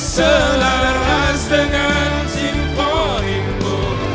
selahas dengan simponimu